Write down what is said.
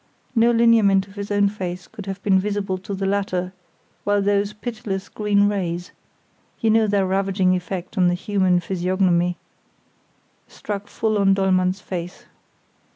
No lineament of his own face could have been visible to the latter, while those pitiless green rays—you know their ravaging effect on the human physiognomy—struck full on Dollmann's face.